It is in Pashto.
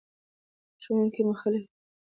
ښوونکي مخکې له دې مورنۍ ژبه زده کړې وه.